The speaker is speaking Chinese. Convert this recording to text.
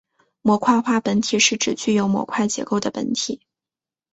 模块化本体是指具有模块结构的本体。